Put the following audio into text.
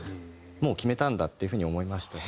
もう決めたんだっていう風に思いましたし。